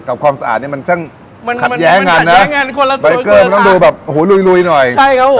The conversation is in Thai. กับความสะอาดเนี้ยมันช่างขัดแย้งงานนะมันมันมันมันขัดแย้งงานคนละสวยเกินค่ะบายเกินมันต้องดูแบบหูลุยลุยหน่อยใช่ครับผม